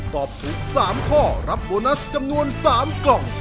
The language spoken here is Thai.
ตอบถูก๓ข้อรับโบนัสจำนวน๓กล่อง